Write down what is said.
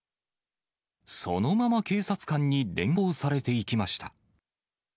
そのまま警察官に連行されていきました。